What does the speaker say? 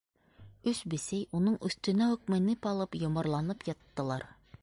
Өс бесәй уның өҫтөнә үк менеп алып, йомарланып яттылар.